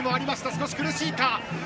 少し苦しいか。